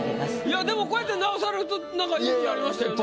いやでもこうやって直されるとなんか良くなりましたよね。